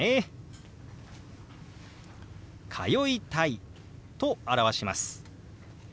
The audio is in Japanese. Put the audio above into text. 「通いたい」と表します。